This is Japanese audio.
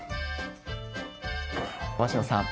鷲野さん